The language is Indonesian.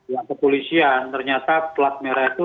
ya kepolisian ternyata pelat merah itu